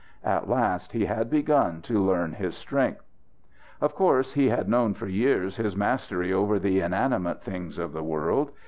At last he had begun to learn his strength. Of course he had known for years his mastery over the inanimate things of the world.